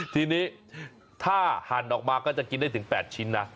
ทีนี้ถ้าหั่นออกมาก็จะกินได้ถึง๘ชิ้นนะ